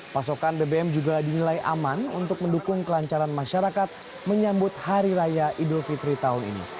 pasokan bbm juga dinilai aman untuk mendukung kelancaran masyarakat menyambut hari raya idul fitri tahun ini